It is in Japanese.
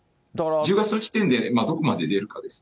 １０月の時点でどこまで出るかです。